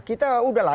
kita udah lah